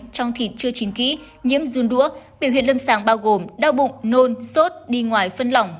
trong thịt chưa chín kỹ nhiễm zun đũa biểu hiện lâm sàng bao gồm đau bụng nôn sốt đi ngoài phân lỏng